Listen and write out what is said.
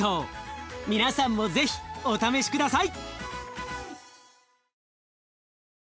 皆さんも是非お試し下さい！